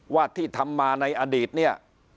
ว่าที่ทำมาในอดีตเนี่ย